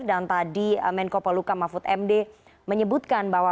dan tadi menko polhuka mahfud md menyebutkan bahwa